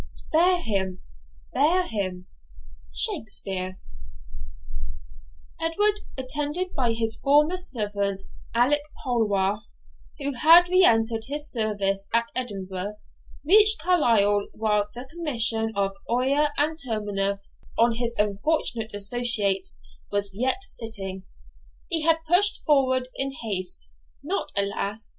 Spare him, spare him' SHAKSPEARE Edward, attended by his former servant Alick Polwarth, who had reentered his service at Edinburgh, reached Carlisle while the commission of Oyer and Terminer on his unfortunate associates was yet sitting. He had pushed forward in haste, not, alas!